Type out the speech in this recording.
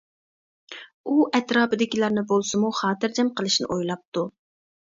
ئۇ ئەتراپىدىكىلەرنى بولسىمۇ خاتىرجەم قىلىشنى ئويلاپتۇ.